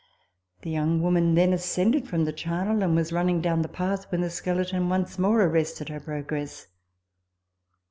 The young woman then ascended from the charnel, and was running down the path when the skeleton once more arrested her progress.